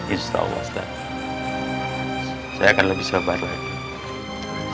istawastahu saya akan lebih sabar lagi